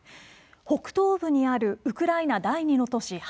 北東部にあるウクライナ第２の都市